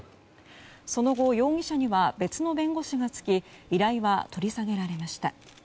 その後、容疑者には別の弁護士がつき依頼は取り下げられました。